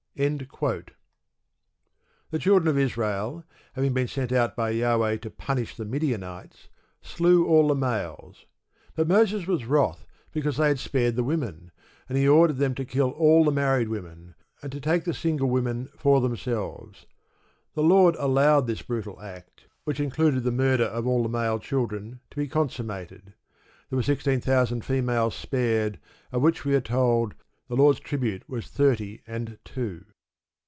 The children of Israel, having been sent out by Jahweh to punish the Midianites, "slew all the males." But Moses was wrath, because they had spared the women, and he ordered them to kill all the married women, and to take the single women "for themselves." The Lord allowed this brutal act which included the murder of all the male children to be consummated. There were sixteen thousand females spared, of which we are told that "the Lord's tribute was thirty and two."